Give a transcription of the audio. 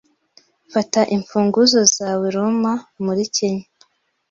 Fata imfunguzo zawe Roma muri kenya